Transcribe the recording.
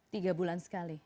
tiga bulan sekali